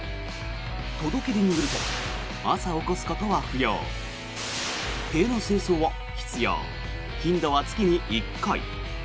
届け出によると朝起こすことは不要部屋の清掃は必要頻度は月に１回。